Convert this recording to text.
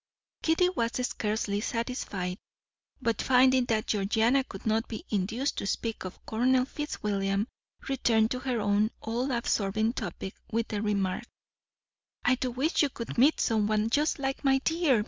Kitty was scarcely satisfied, but finding that Georgiana could not be induced to speak of Colonel Fitzwilliam, returned to her own all absorbing topic with the remark, "I do wish you could meet someone just like my dear Mr. Price!"